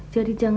jadi jangan lupa